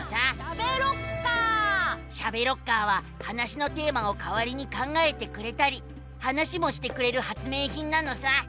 「しゃべロッカー」は話のテーマをかわりに考えてくれたり話もしてくれる発明品なのさ！